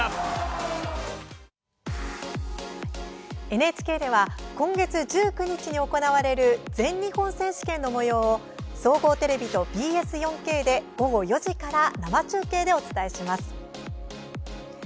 ＮＨＫでは今月１９日に行われる全日本選手権の模様を総合テレビとＢＳ４Ｋで午後４時から生中継でお伝えします。